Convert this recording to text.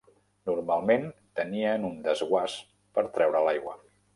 Normalment tenien un desguàs per treure l'aigua.